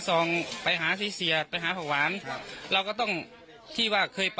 ก็เลยตัดความรำคาญ